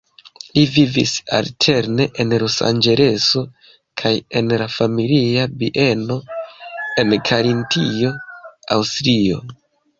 Li vivis alterne en Losanĝeleso kaj en la familia bieno en Karintio, Aŭstrio.